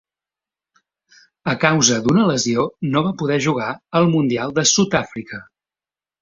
A causa d'una lesió no va poder jugar el Mundial de Sud-àfrica.